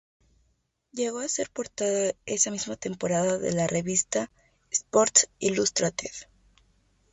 Llegó a ser portada esa misma temporada de la revista Sports Illustrated.